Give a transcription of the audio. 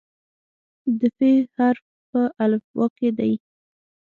د "ف" حرف په الفبا کې دی.